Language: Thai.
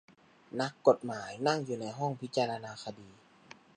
นักกฏหมายนั่งอยู่ในห้องพิจารณาคดี